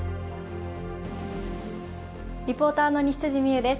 リポーターの西未侑です。